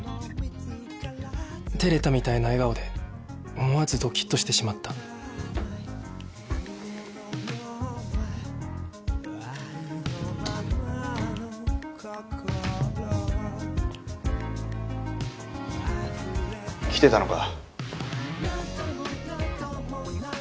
照れたみたいな笑顔で思わずドキッとしてしまった来てたのか。